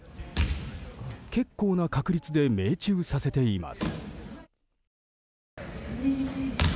結構な確率で命中させています。